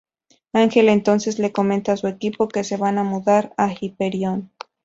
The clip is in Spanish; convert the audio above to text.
Ángel entonces le comenta a su equipo que se van a mudar al Hyperion.